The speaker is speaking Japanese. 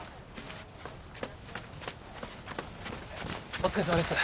お疲れさまです。